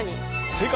正解。